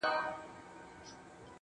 • د زړه لاسونه مو مات ، مات سول پسي.